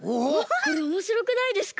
これおもしろくないですか？